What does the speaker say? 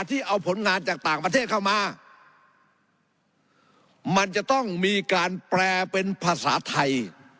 ที่เอาผลงานจากต่างประเทศเข้ามามันจะต้องมีการแปลเป็นภาษาไทย